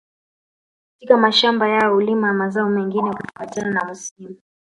Katika mashamba yao hulima mazao mengine kufuatana na msimu